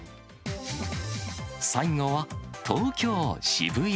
最後は東京・渋谷。